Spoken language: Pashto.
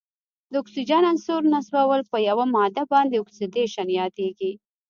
د اکسیجن عنصر نصبول په یوه ماده باندې اکسیدیشن یادیږي.